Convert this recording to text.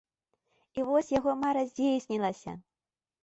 І вось яго мара здзейснілася!